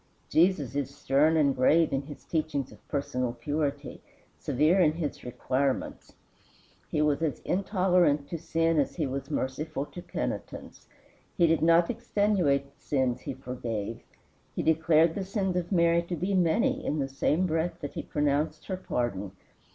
Jesus is stern and grave in his teachings of personal purity, severe in his requirements. He was as intolerant to sin as he was merciful to penitence. He did not extenuate the sins he forgave. He declared the sins of Mary to be many in the same breath that he pronounced her pardon.